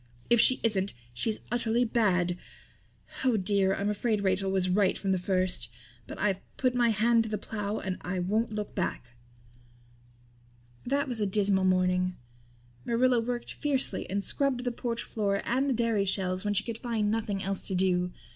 If she isn't she's utterly bad. Oh dear, I'm afraid Rachel was right from the first. But I've put my hand to the plow and I won't look back." That was a dismal morning. Marilla worked fiercely and scrubbed the porch floor and the dairy shelves when she could find nothing else to do.